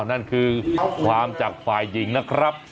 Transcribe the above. นั่นคือความจากฝ่ายหญิงนะครับ